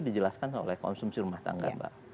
dijelaskan oleh konsumsi rumah tangga mbak